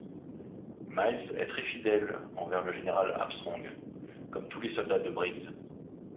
Miles est très fidèle envers le Général Armstrong comme tous les soldats de Briggs.